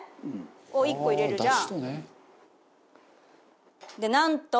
こう１個入れるじゃん？